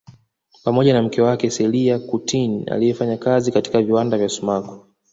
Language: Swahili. pamoja na mke wake Celia Cuccittini aliefanya kazi katika viwanda vya sumaku